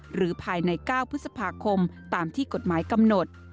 หรือภายใน๙พฤษภาคมตามที่กฎหมายกำหนด